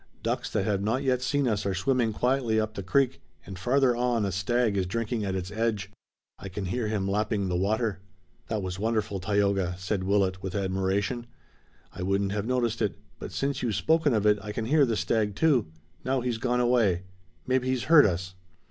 Ducks that have not yet seen us are swimming quietly up the creek, and farther on a stag is drinking at its edge. I can hear him lapping the water." "That was wonderful, Tayoga," said Willet with admiration. "I wouldn't have noticed it, but since you've spoken of it I can hear the stag too. Now he's gone away. Maybe he's heard us."